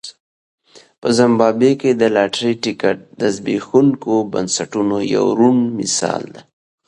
په زیمبابوې کې د لاټرۍ ټکټ د زبېښونکو بنسټونو یو روڼ مثال دی.